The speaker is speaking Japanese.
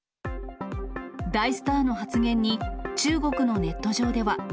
大スターの発言に、中国のネット上では。